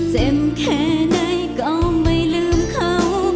เจ็บแค่ไหนก็ไม่ลืมเขา